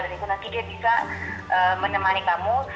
dan itu nanti dia bisa menemani kamu